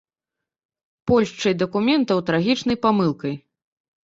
Польшчай дакументаў трагічнай памылкай.